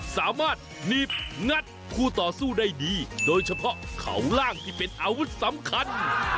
สามารถหนีบงัดคู่ต่อสู้ได้ดีโดยเฉพาะเขาล่างที่เป็นอาวุธสำคัญ